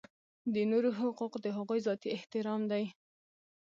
د نورو حقوق د هغوی ذاتي احترام دی.